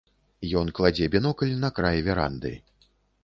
Ён кладзе бінокль на край веранды.